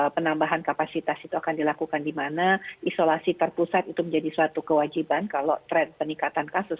penambahan kapasitas itu akan dilakukan di mana isolasi terpusat itu menjadi suatu kewajiban kalau tren peningkatan kasus